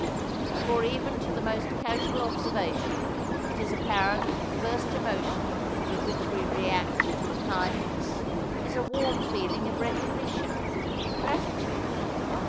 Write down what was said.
For even to the most casual observation it is apparent that the first emotion with which we react to a kindness is a warm feeling of recognition, gratitude.